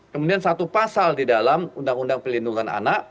kemudian satu pasal di dalam undang undang pelindungan anak